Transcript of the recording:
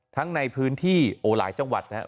ทั้งในพื้นที่โอ้หลายจังหวัดนะครับ